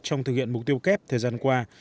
trong thực hiện mục tiêu kép thời gian qua